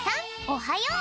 おはよう！